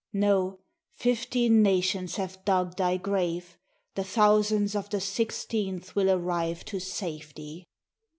No, fifteen na tions have dug thy grave, the thousands of the sixteenth will arrive to save thee!